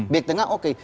back tengah oke